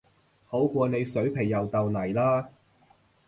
好過你水皮又豆泥啦